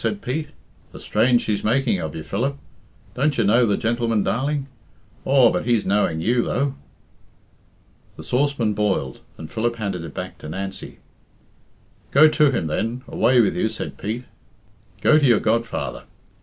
said Pete. "The strange she's making of you, Philip? Don't you know the gentleman, darling? Aw, but he's knowing you, though." The saucepan boiled, and Philip handed it back to Nancy. "Go to him then away with you," said Pete. "Gro to your godfather.